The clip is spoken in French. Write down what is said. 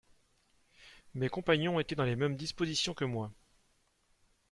Mes compagnons étaient dans les mêmes dispositions que moi.